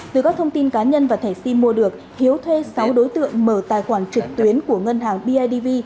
từ các thông tin cá nhân và thẻ sim mua được hiếu thuê sáu đối tượng mở tài khoản trực tuyến của ngân hàng bidv